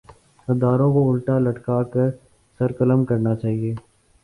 غداروں کو الٹا لٹکا کر سر قلم کرنا چاہیۓ